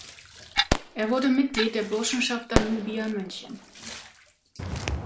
Er wurde Mitglied der Burschenschaft Danubia München.